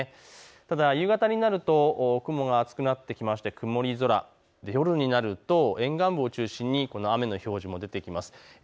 ただ夕方になると雲が厚くなってきまして曇り空、夜になると沿岸部を中心に雨の表示も出てきます。